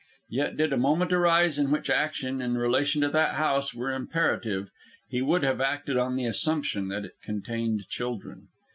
Yet, did a moment arise in which action, in relation to that house, were imperative, he would have acted on the assumption that it contained children.